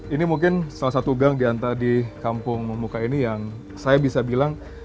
ini mungkin salah satu gang diantar di kampung muka ini yang saya bisa bilang